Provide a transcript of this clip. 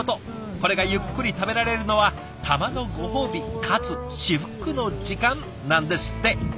これがゆっくり食べられるのはたまのご褒美かつ至福の時間なんですって。